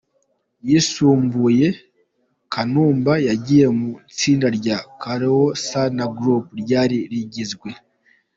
yisumbuye, Kanumba yagiye mu itsinda rya Kaole Sanaa Group ryari rigizwe.